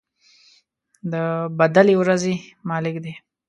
د بَدلې د ورځې مالك دی.